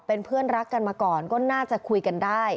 เป็นเพื่อนรักกันมาก่อนก็น่าจะคุยกันได้